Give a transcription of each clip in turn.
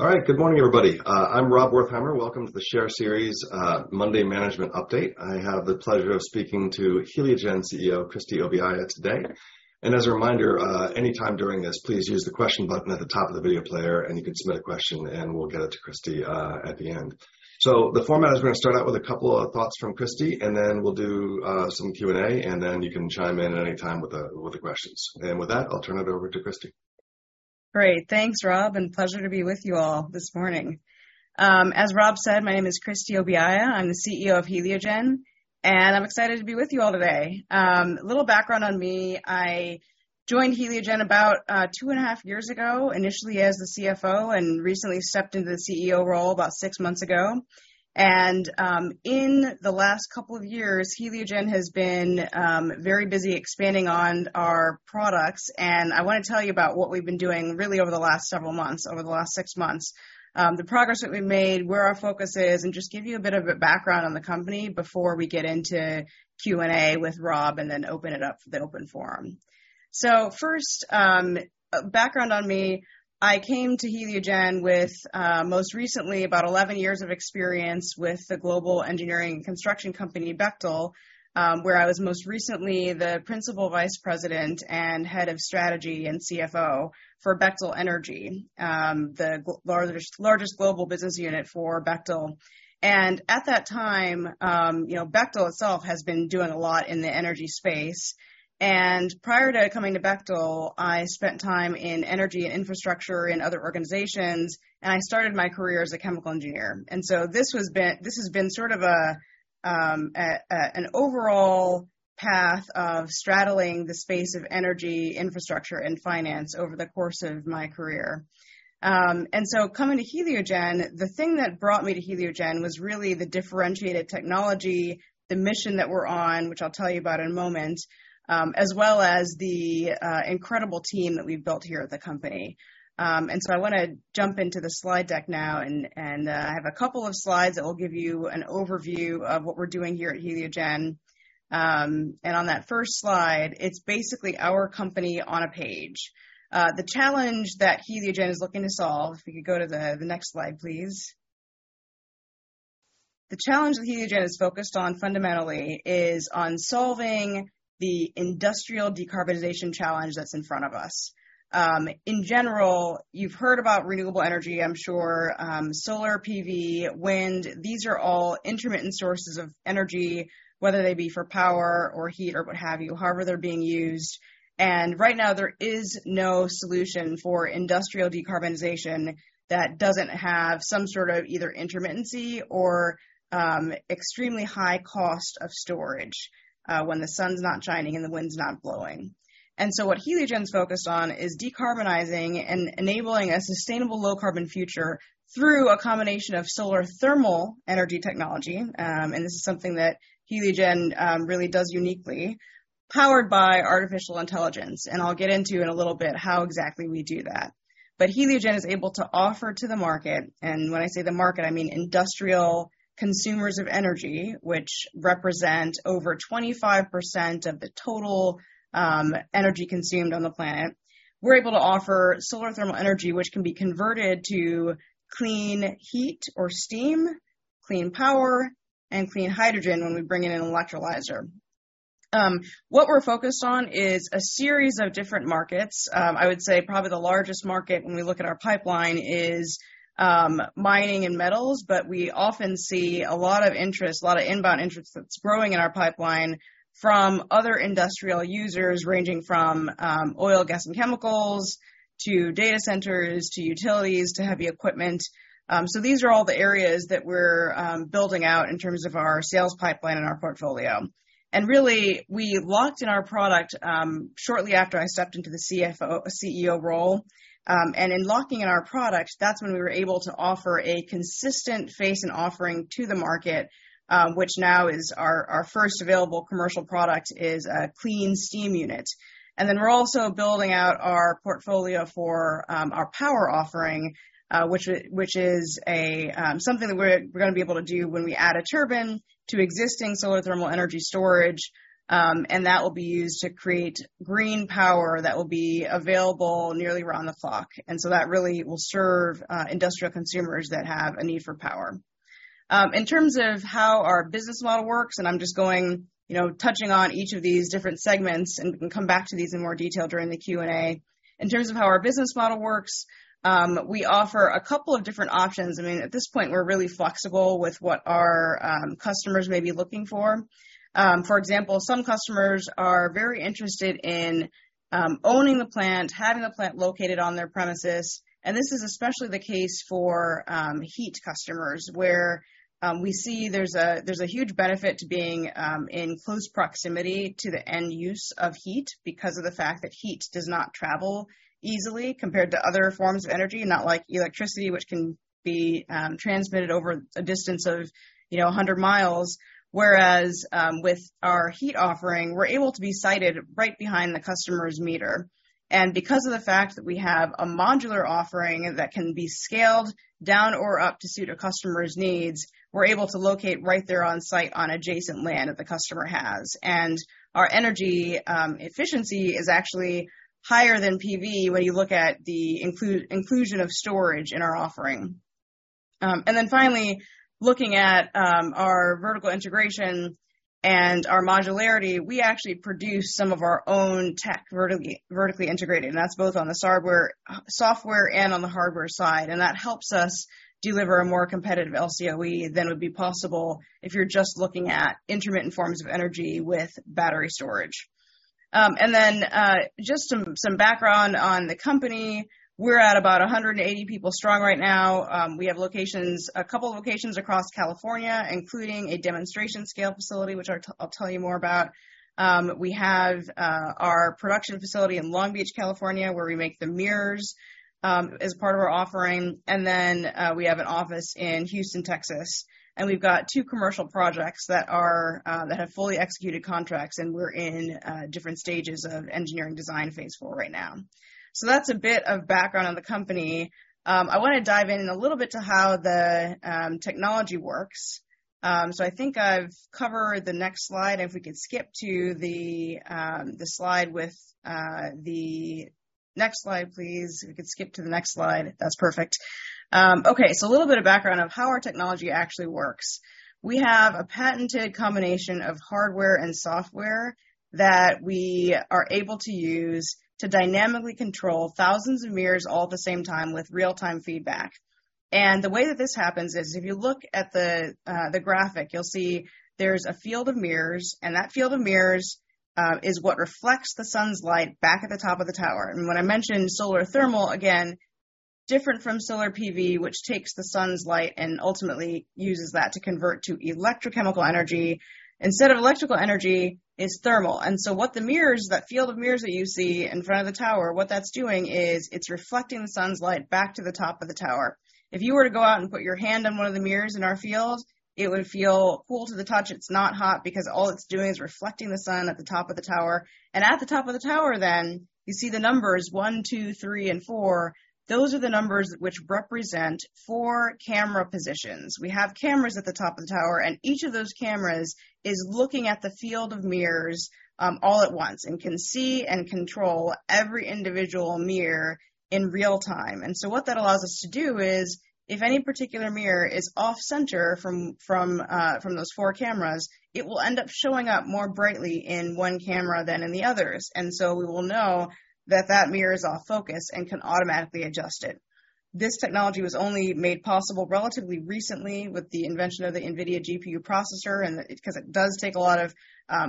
All right. Good morning, everybody. I'm Rob Wertheimer. Welcome to the SHARE Series, Monday Management Update. I have the pleasure of speaking to Heliogen CEO, Christie Obiaya, today. As a reminder, anytime during this, please use the question button at the top of the video player, and you can submit a question, and we'll get it to Christie at the end. The format is we're going to start out with a couple of thoughts from Christie, and then we'll do some Q&A, and then you can chime in at any time with the questions. With that, I'll turn it over to Christie. Great! Thanks, Rob. Pleasure to be with you all this morning. As Rob said, my name is Christie Obiaya. I'm the CEO of Heliogen, and I'm excited to be with you all today. A little background on me. I joined Heliogen about two and half years ago, initially as the CFO, and recently stepped into the CEO role about six months ago. In the last couple of years, Heliogen has been very busy expanding on our products, and I want to tell you about what we've been doing, really, over the last several months, over the last six months. The progress that we've made, where our focus is, and just give you a bit of a background on the company before we get into Q&A with Rob, and then open it up for the open forum. First, background on me. I came to Heliogen with most recently, about 11 years of experience with the global engineering and construction company, Bechtel, where I was most recently the Principal Vice President and Head of Strategy and CFO for Bechtel Energy, the largest global business unit for Bechtel. At that time, you know, Bechtel itself has been doing a lot in the energy space. Prior to coming to Bechtel, I spent time in energy infrastructure in other organizations, and I started my career as a chemical engineer. This has been sort of an overall path of straddling the space of energy, infrastructure, and finance over the course of my career. Coming to Heliogen, the thing that brought me to Heliogen was really the differentiated technology, the mission that we're on, which I'll tell you about in a moment, as well as the incredible team that we've built here at the company. I want to jump into the slide deck now, and, and I have a couple of slides that will give you an overview of what we're doing here at Heliogen. On that first slide, it's basically our company on a page. The challenge that Heliogen is looking to solve... If we could go to the next slide, please. The challenge that Heliogen is focused on fundamentally is on solving the industrial decarbonization challenge that's in front of us. In general, you've heard about renewable energy, I'm sure, Solar PV, wind. These are all intermittent sources of energy, whether they be for power or heat or what have you, however they're being used. Right now, there is no solution for industrial decarbonization that doesn't have some sort of either intermittency or extremely high cost of storage when the sun's not shining and the wind's not blowing. What Heliogen's focused on is decarbonizing and enabling a sustainable low-carbon future through a combination of solar thermal energy technology, and this is something that Heliogen really does uniquely, powered by artificial intelligence. I'll get into in a little bit how exactly we do that. Heliogen is able to offer to the market, and when I say the market, I mean industrial consumers of energy, which represent over 25% of the total energy consumed on the planet. We're able to offer solar thermal energy, which can be converted to clean heat or steam, clean power, and clean hydrogen when we bring in an electrolyzer. What we're focused on is a series of different markets. I would say probably the largest market when we look at our pipeline is mining and metals, but we often see a lot of interest, a lot of inbound interest that's growing in our pipeline from other industrial users, ranging from oil, gas, and chemicals to data centers, to utilities, to heavy equipment. These are all the areas that we're building out in terms of our sales pipeline and our portfolio. Really, we locked in our product shortly after I stepped into the CEO role. In locking in our products, that's when we were able to offer a consistent face and offering to the market, which now is our, our first available commercial product is a clean steam unit. Then we're also building out our portfolio for our power offering, which is, which is a something that we're, we're going to be able to do when we add a turbine to existing solar thermal energy storage, and that will be used to create green power that will be available nearly around the clock. So that really will serve industrial consumers that have a need for power. In terms of how our business model works, and I'm just going, you know, touching on each of these different segments, and we can come back to these in more detail during the Q&A. In terms of how our business model works, we offer a couple of different options. I mean, at this point, we're really flexible with what our customers may be looking for. For example, some customers are very interested in owning the plant, having the plant located on their premises, and this is especially the case for heat customers, where we see there's a, there's a huge benefit to being in close proximity to the end use of heat because of the fact that heat does not travel easily compared to other forms of energy, not like electricity, which can be transmitted over a distance of, you know, 100 miles. Whereas, with our heat offering, we're able to be sited right behind the customer's meter. Because of the fact that we have a modular offering that can be scaled down or up to suit a customer's needs, we're able to locate right there on-site, on adjacent land that the customer has. Our energy efficiency is actually higher than PV when you look at the inclusion of storage in our offering. Finally, looking at our vertical integration and our modularity, we actually produce some of our own tech vertically, vertically integrated, and that's both on the software, software and on the hardware side. That helps us deliver a more competitive LCOE than would be possible if you're just looking at intermittent forms of energy with battery storage. Just some background on the company. We're at about 180 people strong right now. We have a couple of locations across California, including a demonstration-scale facility, which I'll tell you more about. We have our production facility in Long Beach, California, where we make the mirrors as part of our offering. We have an office in Houston, Texas, and we've got commercial projects that have fully executed contracts, and we're in different stages of engineering design phase IV right now. That's a bit of background on the company. I want to dive in a little bit to how the technology works. I think I've covered the next slide. If we could skip to the next slide, please. If we could skip to the next slide. That's perfect. Okay, a little bit of background of how our technology actually works. We have a patented combination of hardware and software that we are able to use to dynamically control thousands of mirrors all at the same time with real-time feedback. The way that this happens is, if you look at the graphic, you'll see there's a field of mirrors, and that field of mirrors is what reflects the sun's light back at the top of the tower. When I mentioned solar thermal, again, different from Solar PV, which takes the sun's light and ultimately uses that to convert to electrochemical energy. Instead of electrical energy, it's thermal. What the mirrors, that field of mirrors that you see in front of the tower, what that's doing is it's reflecting the sun's light back to the top of the tower. If you were to go out and put your hand on one of the mirrors in our field, it would feel cool to the touch. It's not hot because all it's doing is reflecting the sun at the top of the tower. At the top of the tower, then, you see the numbers one, two, three, and four. Those are the numbers which represent four camera positions. We have cameras at the top of the tower, and each of those cameras is looking at the field of mirrors, all at once, and can see and control every individual mirror in real time. So what that allows us to do is, if any particular mirror is off center from, from, from those four cameras, it will end up showing up more brightly in one camera than in the others. We will know that that mirror is off focus and can automatically adjust it. This technology was only made possible relatively recently with the invention of the NVIDIA GPU processor, and 'cause it does take a lot of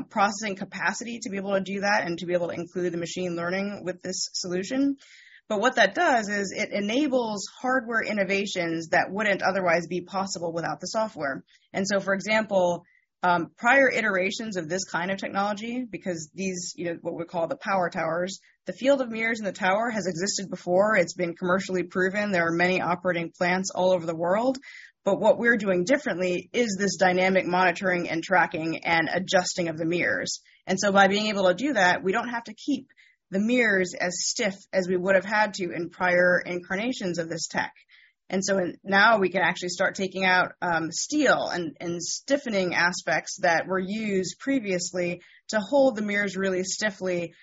processing capacity to be able to do that and to be able to include the machine learning with this solution. What that does is it enables hardware innovations that wouldn't otherwise be possible without the software. For example, prior iterations of this kind of technology, because these, you know, what we call the power towers, the field of mirrors in the tower has existed before. It's been commercially proven. There are many operating plants all over the world, but what we're doing differently is this dynamic monitoring and tracking and adjusting of the mirrors. By being able to do that, we don't have to keep the mirrors as stiff as we would have had to in prior incarnations of this tech. Now we can actually start taking out steel and stiffening aspects that were used previously to hold the mirrors really stiffly,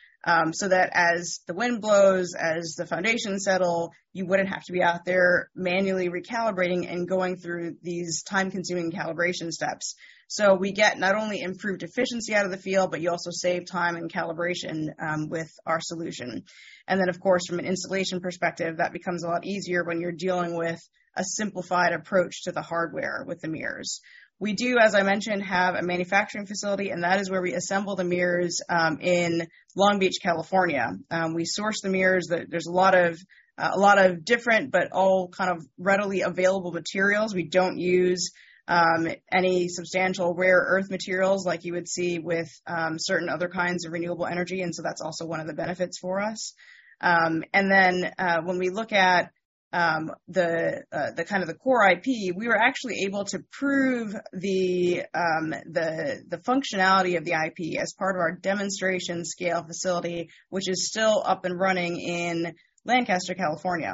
so that as the wind blows, as the foundations settle, you wouldn't have to be out there manually recalibrating and going through these time-consuming calibration steps. We get not only improved efficiency out of the field, but you also save time and calibration with our solution. Then, of course, from an installation perspective, that becomes a lot easier when you're dealing with a simplified approach to the hardware with the mirrors. We do, as I mentioned, have a manufacturing facility. That is where we assemble the mirrors in Long Beach, California. We source the mirrors. There's a lot of a lot of different, all kind of readily available materials. We don't use any substantial rare earth materials like you would see with certain other kinds of renewable energy, so that's also one of the benefits for us. Then, when we look at the kind of the core IP, we were actually able to prove the functionality of the IP as part of our demonstration scale facility, which is still up and running in Lancaster, California.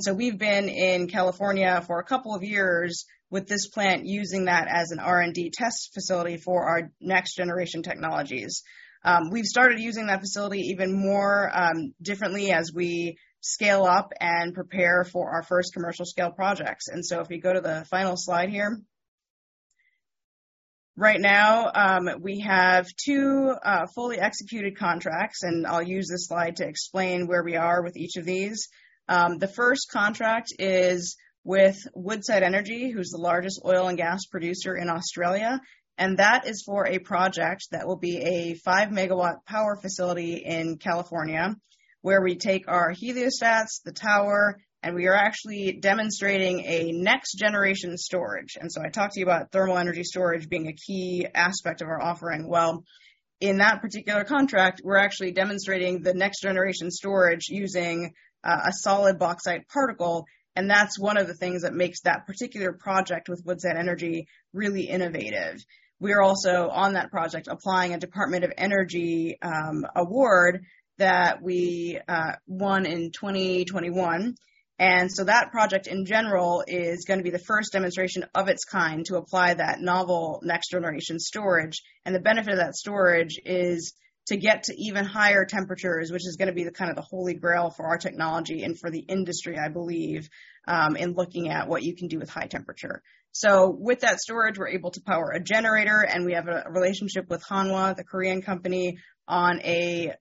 So we've been in California for a couple of years with this plant, using that as an R&D test facility for our next-generation technologies. We've started using that facility even more, differently as we scale up and prepare for our first commercial-scale projects. If we go to the final slide here? Right now, we have two fully executed contracts, and I'll use this slide to explain where we are with each of these. The first contract is with Woodside Energy, who's the largest oil and gas producer in Australia, and that is for a project that will be a 5 megawatt power facility in California, where we take our heliostats, the tower, and we are actually demonstrating a next-generation storage. I talked to you about thermal energy storage being a key aspect of our offering. Well, in that particular contract, we're actually demonstrating the next-generation storage using a solid Bauxite particle, and that's one of the things that makes that particular project with Woodside Energy really innovative. We are also, on that project, applying a U.S. Department of Energy Award that we won in 2021. So that project, in general, is going to be the first demonstration of its kind to apply that novel next-generation storage. The benefit of that storage is to get to even higher temperatures, which is going to be the kind of the holy grail for our technology and for the industry, I believe, in looking at what you can do with high temperature. With that storage, we're able to power a generator, and we have a relationship with Hanwha, the Korean company, on a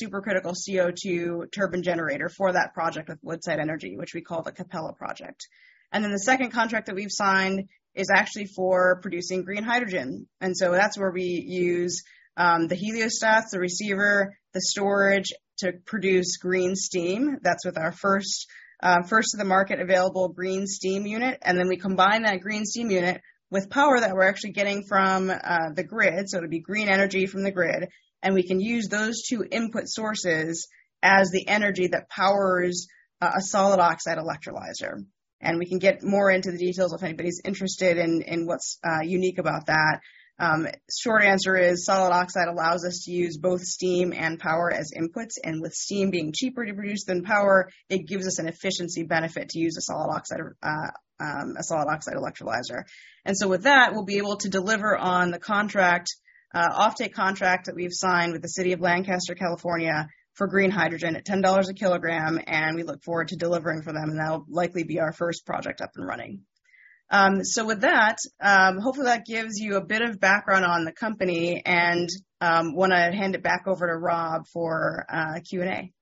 supercritical CO2 turbine generator for that project with Woodside Energy, which we call the Capella project. The second contract that we've signed is actually for producing green hydrogen, and so that's where we use the heliostat, the receiver, the storage to produce green steam. That's with our first first-to-the-market-available green steam unit. Then we combine that green steam unit with power that we're actually getting from the grid, so it'd be green energy from the grid, and we can use those two input sources as the energy that powers a solid oxide electrolyzer. We can get more into the details if anybody's interested in, in what's unique about that. Short answer is solid oxide allows us to use both steam and power as inputs, with steam being cheaper to produce than power, it gives us an efficiency benefit to use a solid oxide electrolyzer. With that, we'll be able to deliver on the contract, offtake contract that we've signed with the City of Lancaster, California, for green hydrogen at $10 a kilogram. We look forward to delivering for them, and that'll likely be our first project up and running. So with that, hopefully, that gives you a bit of background on the company and want to hand it back over to Rob for Q&A.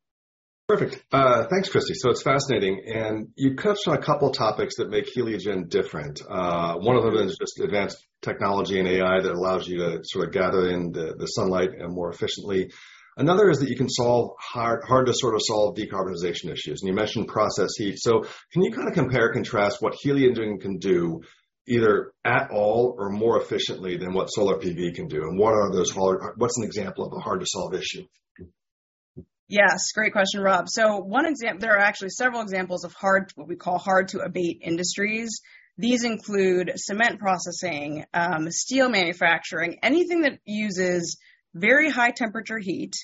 Perfect. thanks, Christie. It's fascinating, and you touched on a couple topics that make Heliogen different. One of them is just advanced technology and AI that allows you to sort of gather in the, the sunlight and more efficiently. Another is that you can solve hard, hard-to-sort-of-solve decarbonization issues, and you mentioned process heat. Can you kind of compare and contrast what Heliogen can do, either at all or more efficiently than what Solar PV can do? What's an example of a hard-to-solve issue? Yes, great question, Rob. There are actually several examples of hard, what we call hard-to-abate industries. These include cement processing, steel manufacturing, anything that uses very high temperature heat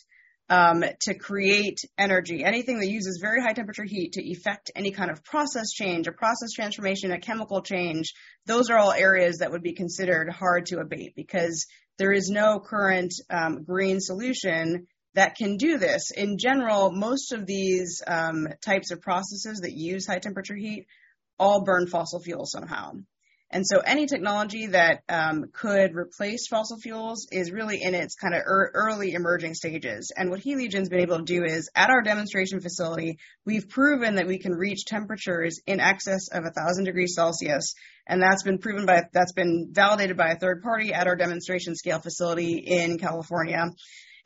to create energy. Anything that uses very high temperature heat to effect any kind of process change or process transformation, a chemical change, those are all areas that would be considered hard to abate because there is no current green solution that can do this. In general, most of these types of processes that use high temperature heat all burn fossil fuels somehow. Any technology that could replace fossil fuels is really in its kind of early emerging stages. What Heliogen's been able to do is, at our demonstration facility, we've proven that we can reach temperatures in excess of 1,000 degrees Celsius, and that's been validated by a third party at our demonstration scale facility in California.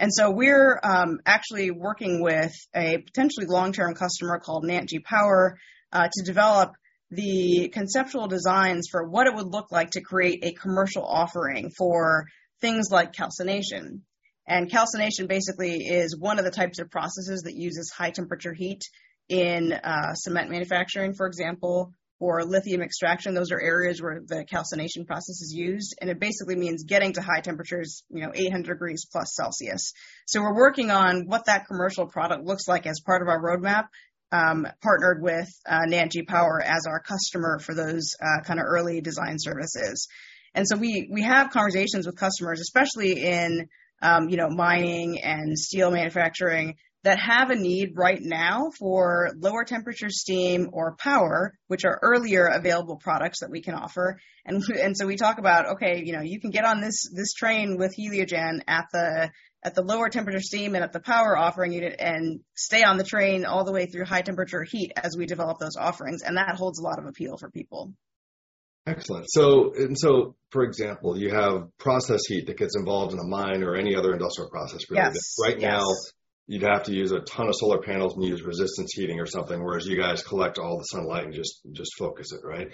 So we're actually working with a potentially long-term customer called NantG Power, to develop the conceptual designs for what it would look like to create a commercial offering for things like calcination. Calcination basically is one of the types of processes that uses high temperature heat in cement manufacturing, for example, or lithium extraction. Those are areas where the calcination process is used, and it basically means getting to high temperatures, you know, 800 degrees plus Celsius. We're working on what that commercial product looks like as part of our roadmap, partnered with NantG Power as our customer for those kind of early design services. We, we have conversations with customers, especially in, you know, mining and steel manufacturing, that have a need right now for lower temperature steam or power, which are earlier available products that we can offer. We talk about, okay, you know, you can get on this, this train with Heliogen at the, at the lower temperature steam and at the power offering unit and stay on the train all the way through high temperature heat as we develop those offerings, and that holds a lot of appeal for people. Excellent. For example, you have process heat that gets involved in a mine or any other industrial process, really. Yes. Right now, you'd have to use a ton of solar panels and use resistance heating or something, whereas you guys collect all the sunlight and just, just focus it, right?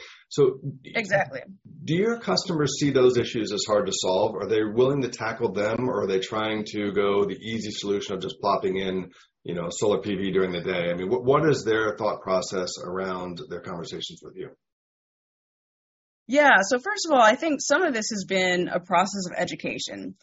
Exactly. Do your customers see those issues as hard to solve? Are they willing to tackle them, or are they trying to go the easy solution of just plopping in, you know, Solar PV during the day? I mean, what, what is their thought process around their conversations with you? Yeah. First of all, I think some of this has been a process of education,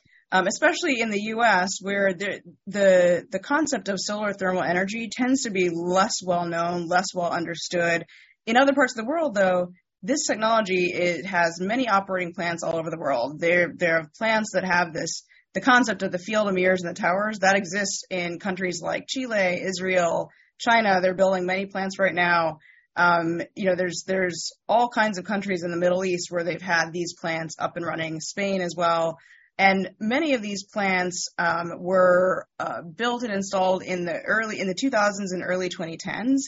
especially in the U.S., where the, the, the concept of solar thermal energy tends to be less well known, less well understood. In other parts of the world, though, this technology, it has many operating plants all over the world. There, there are plants that have this, the concept of the field of mirrors and the towers, that exists in countries like Chile, Israel, China. They're building many plants right now. You know, there's, there's all kinds of countries in the Middle East where they've had these plants up and running, Spain as well. Many of these plants were built and installed in the 2000s and early 2010s,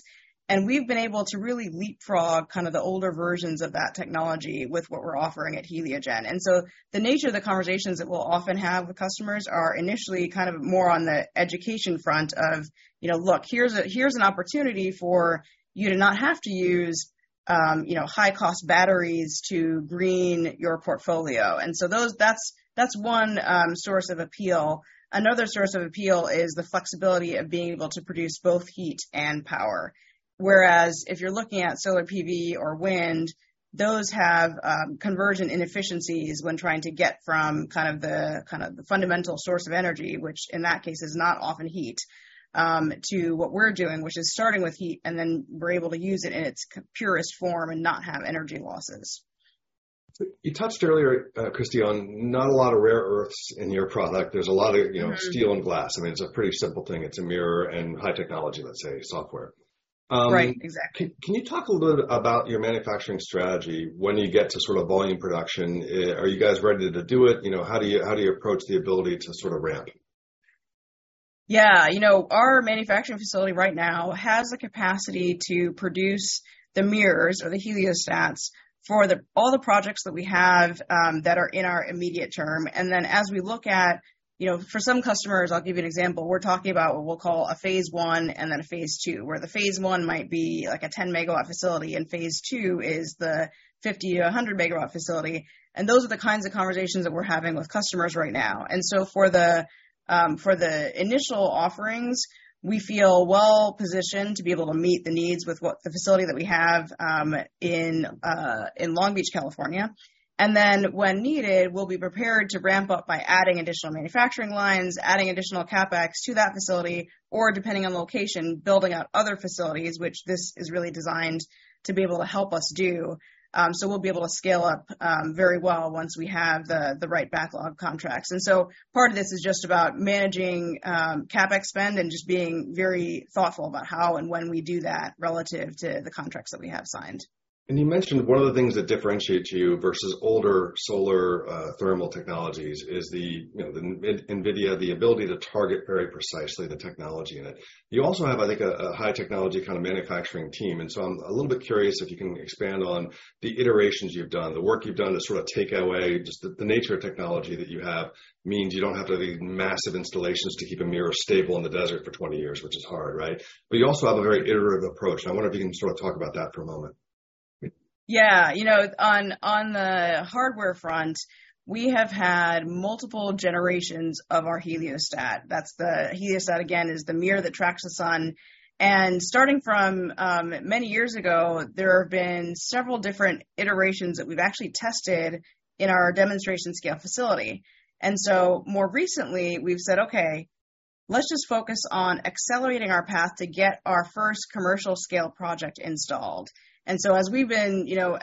and we've been able to really leapfrog kind of the older versions of that technology with what we're offering at Heliogen. The nature of the conversations that we'll often have with customers are initially kind of more on the education front of, you know, look, here's a, here's an opportunity for you to not have to use, you know, high-cost batteries to green your portfolio. That's, that's one source of appeal. Another source of appeal is the flexibility of being able to produce both heat and power. Whereas if you're looking at Solar PV or wind, those have conversion inefficiencies when trying to get from kind of the fundamental source of energy, which in that case is not often heat, to what we're doing, which is starting with heat, and then we're able to use it in its purest form and not have energy losses. You touched earlier, Christie, on not a lot of rare earths in your product. There's a lot of, you know, steel and glass. I mean, it's a pretty simple thing. It's a mirror and high technology, let's say, software. Right, exactly. Can you talk a little bit about your manufacturing strategy when you get to sort of volume production? Are you guys ready to do it? You know, how do you approach the ability to sort of ramp? Yeah, you know, our manufacturing facility right now has the capacity to produce the mirrors or the heliostats for all the projects that we have that are in our immediate term. as we look at... You know, for some customers, I'll give you an example, we're talking about what we'll call a phase one and then a phase two, where the phase one might be like a 10 megawatt facility, and phase two is the 50 megawatt-100 megawatt facility, and those are the kinds of conversations that we're having with customers right now. for the initial offerings, we feel well positioned to be able to meet the needs with what the facility that we have in Long Beach, California. Then, when needed, we'll be prepared to ramp up by adding additional manufacturing lines, adding additional CapEx to that facility, or depending on location, building out other facilities, which this is really designed to be able to help us do. We'll be able to scale up very well once we have the, the right backlog of contracts. Part of this is just about managing CapEx spend and just being very thoughtful about how and when we do that relative to the contracts that we have signed. You mentioned one of the things that differentiates you versus older solar thermal technologies is the, you know, NVIDIA, the ability to target very precisely the technology in it. You also have, I think, a high technology kind of manufacturing team, and so I'm a little bit curious if you can expand on the iterations you've done, the work you've done to sort of take away just the nature of technology that you have, means you don't have to have these massive installations to keep a mirror stable in the desert for 20 years, which is hard, right? You also have a very iterative approach, and I wonder if you can sort of talk about that for a moment. Yeah. You know, on, on the hardware front, we have had multiple generations of our heliostat. That's the... heliostat, again, is the mirror that tracks the sun. Starting from many years ago, there have been several different iterations that we've actually tested in our demonstration scale facility. More recently, we've said, "Okay, let's just focus on accelerating our path to get our first commercial-scale project installed." As we've been, you know,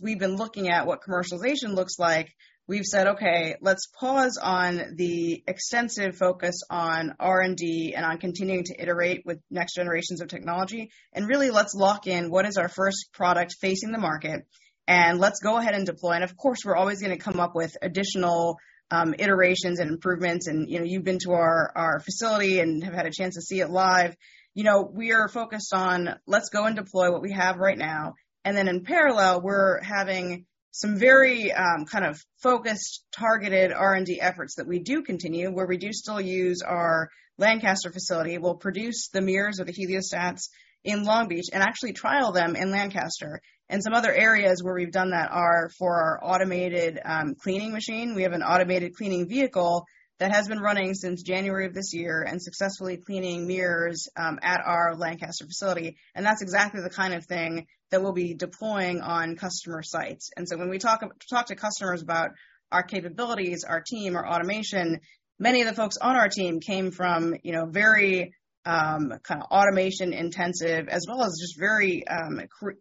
we've been looking at what commercialization looks like, we've said, "Okay, let's pause on the extensive focus on R&D and on continuing to iterate with next generations of technology, and really, let's lock in what is our first product facing the market, and let's go ahead and deploy." Of course, we're always going to come up with additional iterations and improvements and, you know, you've been to our, our facility and have had a chance to see it live. You know, we are focused on "Let's go and deploy what we have right now," then in parallel, we're having some very, kind of focused, targeted R&D efforts that we do continue, where we do still use our Lancaster facility. We'll produce the mirrors or the heliostats in Long Beach and actually trial them in Lancaster. Some other areas where we've done that are for our automated cleaning machine. We have an automated cleaning vehicle that has been running since January of this year and successfully cleaning mirrors at our Lancaster facility, and that's exactly the kind of thing that we'll be deploying on customer sites. So when we talk, talk to customers about our capabilities, our team, our automation, many of the folks on our team came from, you know, very automation-intensive, as well as just very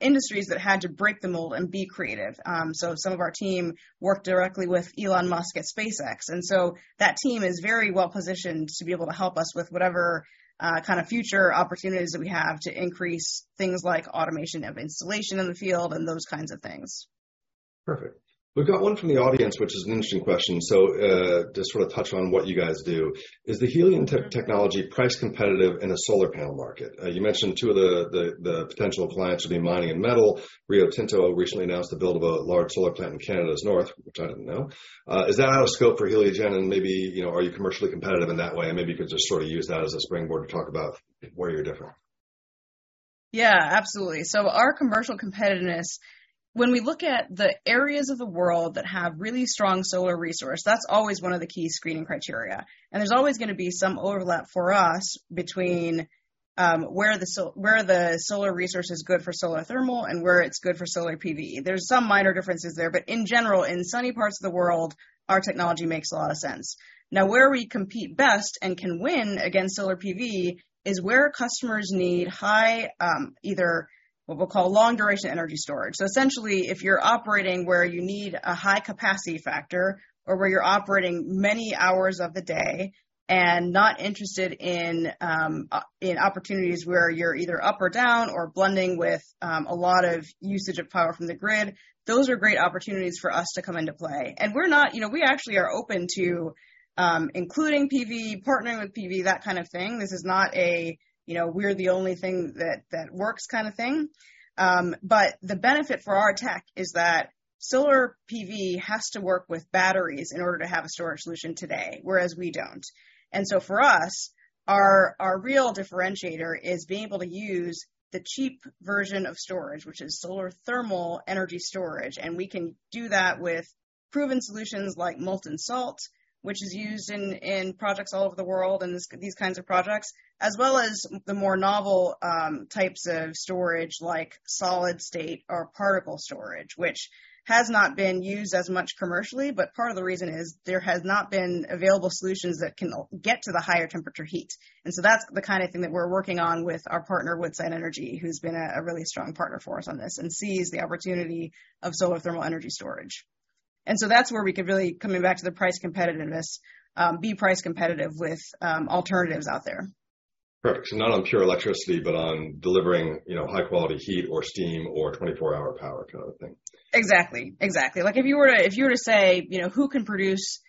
industries that had to break the mold and be creative. Some of our team worked directly with Elon Musk at SpaceX, so that team is very well positioned to be able to help us with whatever kind of future opportunities that we have to increase things like automation of installation in the field and those kinds of things. Perfect. We've got one from the audience, which is an interesting question. Just sort of touch on what you guys do. Is the Heliogen technology price competitive in the solar panel market? You mentioned two of the potential clients will be mining and metal. Rio Tinto recently announced the build of a large solar plant in Canada's north, which I didn't know. Is that out of scope for Heliogen? Maybe, you know, are you commercially competitive in that way? Maybe you could just sort of use that as a springboard to talk about where you're different. Yeah, absolutely. Our commercial competitiveness, when we look at the areas of the world that have really strong solar resource, that's always one of the key screening criteria, and there's always gonna be some overlap for us between where the solar resource is good for solar thermal and where it's good for Solar PV. There's some minor differences there, but in general, in sunny parts of the world, our technology makes a lot of sense. Now, where we compete best and can win against Solar PV is where customers need high, either what we'll call Long-duration energy storage. Essentially, if you're operating where you need a high Capacity factor or where you're operating many hours of the day and not interested in opportunities where you're either up or down or blending with a lot of usage of power from the grid, those are great opportunities for us to come into play. We're not, you know, we actually are open to including PV, partnering with PV, that kind of thing. This is not a, you know, we're the only thing that, that works kind of thing. The benefit for our tech is that Solar PV has to work with batteries in order to have a storage solution today, whereas we don't. For us, our, our real differentiator is being able to use the cheap version of storage, which is solar thermal energy storage, and we can do that with proven solutions like molten salt, which is used in, in projects all over the world, and these, these kinds of projects, as well as the more novel types of storage, like solid state or particle storage, which has not been used as much commercially, but part of the reason is there has not been available solutions that can get to the higher temperature heat. That's the kind of thing that we're working on with our partner, Woodside Energy, who's been a, a really strong partner for us on this and sees the opportunity of solar thermal energy storage. That's where we could really, coming back to the price competitiveness, be price competitive with, alternatives out there. Perfect. Not on pure electricity, but on delivering, you know, high-quality heat or steam or 24 hour power kind of thing. Exactly, exactly. Like, if you were to, if you were to say, you know, who can produce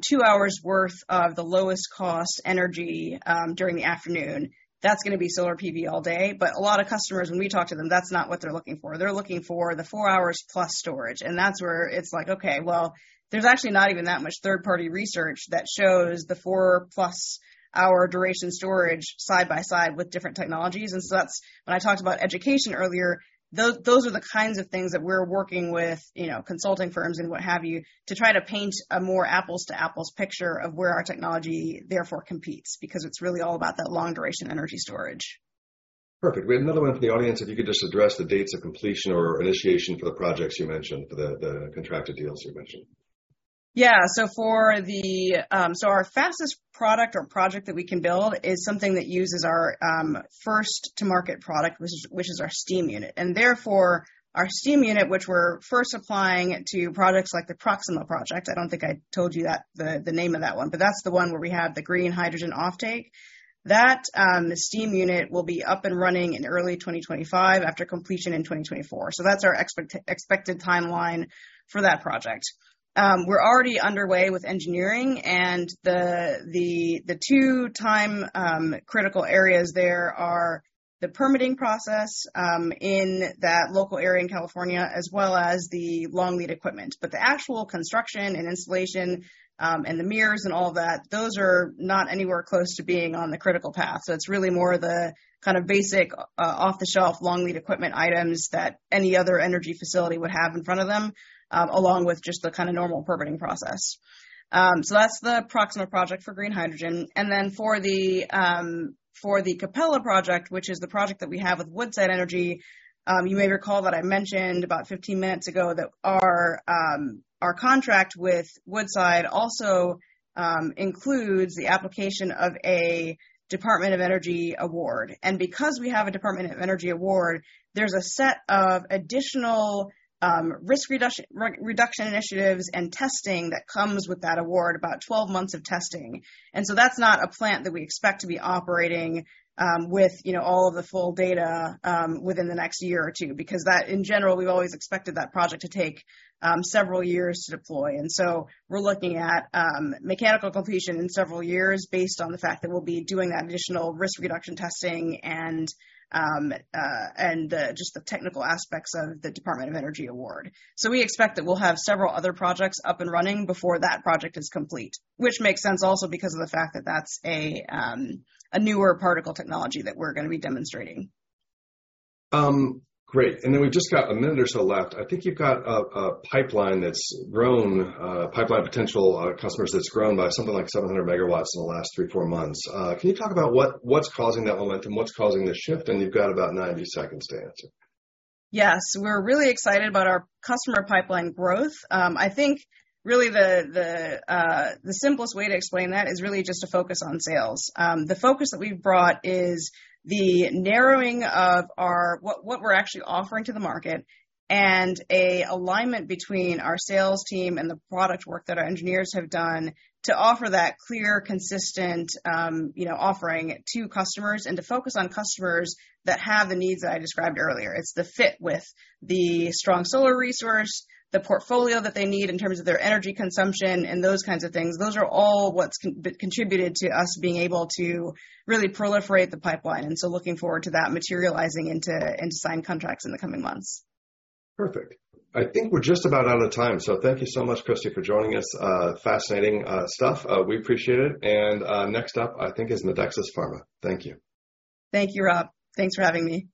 two hours worth of the lowest cost energy during the afternoon? That's gonna be Solar PV all day. A lot of customers, when we talk to them, that's not what they're looking for. They're looking for the 4 hours plus storage, and that's where it's like, okay, well, there's actually not even that much third-party research that shows the four plus hour duration storage side by side with different technologies. That's... When I talked about education earlier, those are the kinds of things that we're working with, you know, consulting firms and what have you, to try to paint a more apples to apples picture of where our technology therefore competes, because it's really all about that Long-duration energy storage. Perfect. We have another one from the audience. If you could just address the dates of completion or initiation for the projects you mentioned, the contracted deals you mentioned. Yeah. Our fastest product or project that we can build is something that uses our first-to-market product, which is our steam unit, and therefore, our steam unit, which we're first applying to products like the Proxima project. I don't think I told you that, the name of that one, but that's the one where we have the green hydrogen offtake. That steam unit will be up and running in early 2025 after completion in 2024. That's our expected timeline for that project. We're already underway with engineering and the two time critical areas there are the permitting process in that local area in California, as well as the long lead equipment. The actual construction and installation, and the mirrors and all of that, those are not anywhere close to being on the critical path. It's really more the kind of basic, off-the-shelf, long lead equipment items that any other energy facility would have in front of them, along with just the kind of normal permitting process. That's the Proxima project for green hydrogen. Then for the Capella project, which is the project that we have with Woodside Energy, you may recall that I mentioned about 15 minutes ago that our, our contract with Woodside also, includes the application of a Department of Energy award. Because we have a Department of Energy award, there's a set of additional, risk reduction initiatives and testing that comes with that award, about 12 months of testing. That's not a plant that we expect to be operating, with, you know, all of the full data, within the next year or two, because that, in general, we've always expected that project to take, several years to deploy. We're looking at mechanical completion in several years based on the fact that we'll be doing that additional risk reduction testing and the just the technical aspects of the Department of Energy award. We expect that we'll have several other projects up and running before that project is complete, which makes sense also because of the fact that that's a, a newer particle technology that we're gonna be demonstrating. Great. Then we've just got a minute or so left. I think you've got a, a pipeline that's grown, a pipeline of potential customers that's grown by something like 700 megawatts in the last three, four months. Can you talk about what, what's causing that momentum, what's causing the shift? You've got about 90 seconds to answer. Yes, we're really excited about our customer pipeline growth. I think really the, the simplest way to explain that is really just to focus on sales. The focus that we've brought is the narrowing of our... what, what we're actually offering to the market and a alignment between our sales team and the product work that our engineers have done to offer that clear, consistent, you know, offering to customers and to focus on customers that have the needs that I described earlier. It's the fit with the strong solar resource, the portfolio that they need in terms of their energy consumption, and those kinds of things. Those are all what's contributed to us being able to really proliferate the pipeline. Looking forward to that materializing into, into signed contracts in the coming months. Perfect. I think we're just about out of time. Thank you so much, Christie, for joining us. Fascinating stuff. We appreciate it. Next up, I think, is Medexus Pharma. Thank you. Thank you, Rob. Thanks for having me.